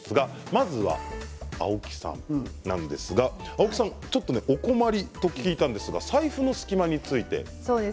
まずは青木さんなんですがちょっとお困りと聞いたんですが財布の隙間について。